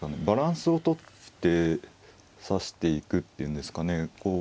バランスを取って指していくっていうんですかね。